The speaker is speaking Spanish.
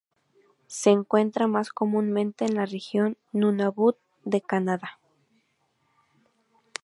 Se encuentra más comúnmente en la región Nunavut de Canadá.